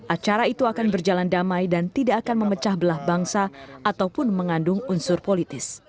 acara itu akan berjalan damai dan tidak akan memecah belah bangsa ataupun mengandung unsur politis